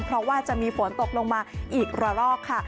เพราะว่าจะมีฝนตกลงมาอีกระรอกค่ะ